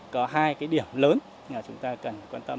có hai cái điểm lớn mà chúng ta cần quan tâm